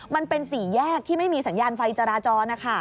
มันเป็นสี่แยกที่ไม่มีสัญญาณไฟจราจรนะคะ